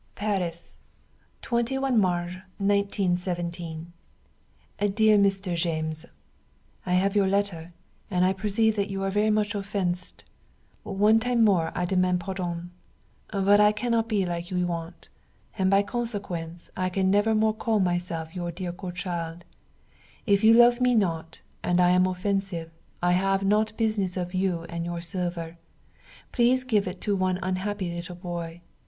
Paris, 21 March 1917. Dear Mr. James, I have your letter, and I perceive that you are very much offensed. One time more I demand pardon; but I cannot be like you want, and by consequence I can never more call myself your dear godchild; if you love me not, and I am offensive, I have not business of you and your silver. Please give it to one unhappy little boy.